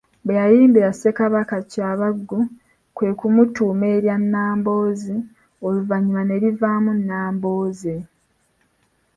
Bwe yayimbira Ssekabaka Kyabaggu kwe kumutuuma erya Nnamboozi oluvannyuma ne livaamu Nnambooze.